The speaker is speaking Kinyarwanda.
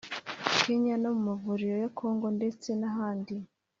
Kenya no mu mavuriro ya Congo ndetse n’ahandi